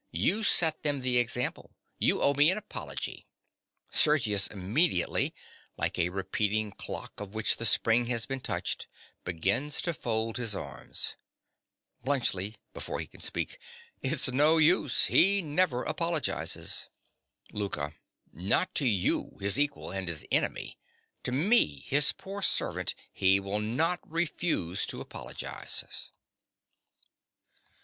You set them the example. You owe me an apology. (Sergius immediately, like a repeating clock of which the spring has been touched, begins to fold his arms.) BLUNTSCHLI. (before he can speak). It's no use. He never apologizes. LOUKA. Not to you, his equal and his enemy. To me, his poor servant, he will not refuse to apologize.